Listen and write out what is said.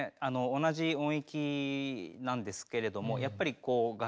同じ音域なんですけれどもやっぱり響きが違うんだ。